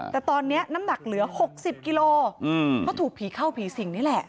แต่ตอนนี้น้ำหนักเหลือ๖๐กิโลเพราะถูกผีเข้าผีสิงนี่แหละ